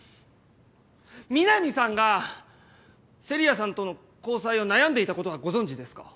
みなみさんが聖里矢さんとの交際を悩んでいたことはご存じですか？